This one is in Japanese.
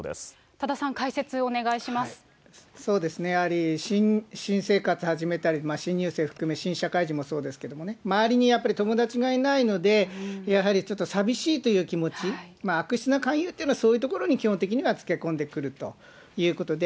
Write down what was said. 多田さん、そうですね、やはり新生活始めたり、新入生含め新社会人もそうですけれどもね、周りにやっぱり友達がいないので、やはりちょっと寂しいという気持ち、悪質な勧誘というのはそういうところに基本的にはつけ込んでくるということで、